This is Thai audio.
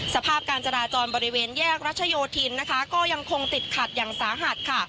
สภาพการจราจรบริเวณแยกรัชโยธินนะคะก็ยังคงติดขัดอย่างสาหัสค่ะ